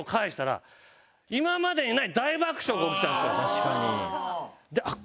確かに。